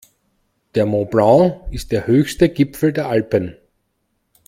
Der Mont Blanc ist der höchste Gipfel der Alpen.